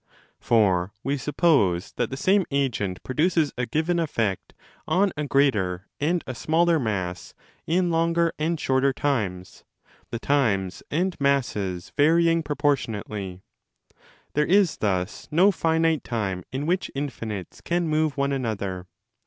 For we suppose that the same agent produces a given effect on a greater 275" and a smaller mass in longer and shorter times, the times and masses varying proportionately. There is thus no finite time in which infinites can move one another.